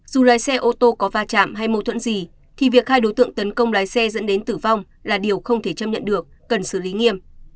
dù lái xe ô tô có va chạm hay mâu thuẫn gì thì việc hai đối tượng tấn công lái xe dẫn đến tử vong là điều không thể chấp nhận được cần xử lý nghiêm